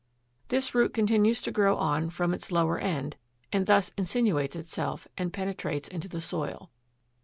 This root continues to grow on from its lower end, and thus insinuates itself and penetrates into the soil.